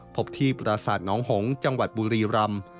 พบที่ปราสาทน้องหงษ์จังหวัดบุรีรำ